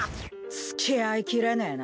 付き合いきれねえな。